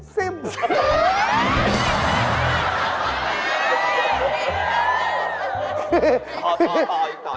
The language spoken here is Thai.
ต่ออีก